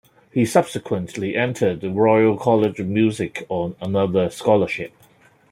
He subsequently entered the Royal College of Music on another scholarship.